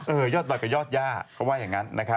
ยอดดอยกับยอดย่าเขาว่าอย่างนั้นนะครับ